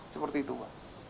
seperti itu pak